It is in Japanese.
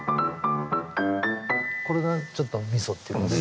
これがちょっとミソっていうかね。